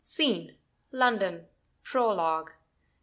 SCENE, LONDON PROLOGUE.